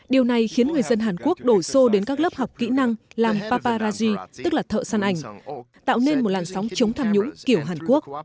điều này khiến người dân hàn quốc đổ xô đến các lớp học kỹ năng làm paparazi tức là thợ săn ảnh tạo nên một làn sóng chống tham nhũng kiểu hàn quốc